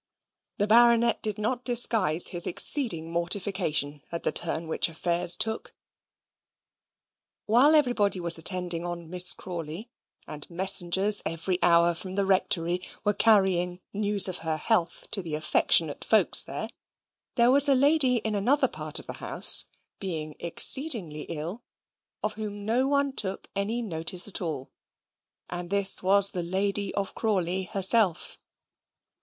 The Baronet did not disguise his exceeding mortification at the turn which affairs took. While everybody was attending on Miss Crawley, and messengers every hour from the Rectory were carrying news of her health to the affectionate folks there, there was a lady in another part of the house, being exceedingly ill, of whom no one took any notice at all; and this was the lady of Crawley herself.